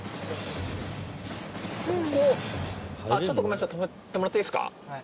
ここちょっとごめんなさい止めてもらっていいですか？